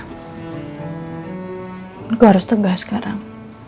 gue harus tegak sekarang